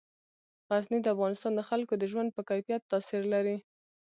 غزني د افغانستان د خلکو د ژوند په کیفیت تاثیر لري.